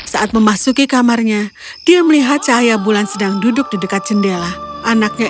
saat memasuki kamarnya dia melihat cahaya bulan sedang duduk di dekat jendela anaknya